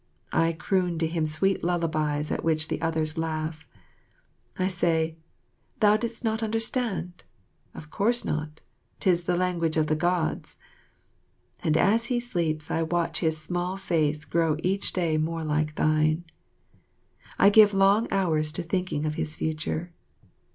I croon to him sweet lullabies at which the others laugh. I say, "Thou dost not understand? Of course not, 'tis the language of the Gods," and as he sleeps I watch his small face grow each day more like to thine. I give long hours to thinking of his future.